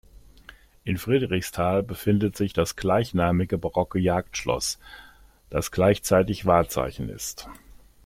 In Friedrichsthal befindet sich das gleichnamige barocke Jagdschloss, das gleichzeitig Wahrzeichen ist.